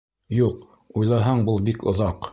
Юҡ, уйлаһаң, был бик оҙаҡ!